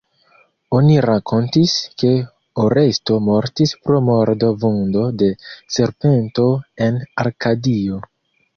Oni rakontis ke Oresto mortis pro mordo-vundo de serpento en Arkadio.